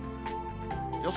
予想